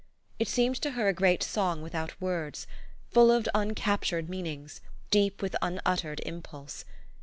It seemed to her a great song without words, full of uncaptured meanings, deep with unuttered impulse.